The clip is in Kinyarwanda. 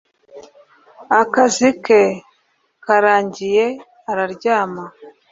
Akazi ke karangiye araryama